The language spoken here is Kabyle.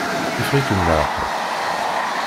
Yeffeɣ-ikem leɛqel.